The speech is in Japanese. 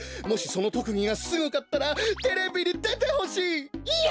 もしそのとくぎがすごかったらテレビにでてほしい！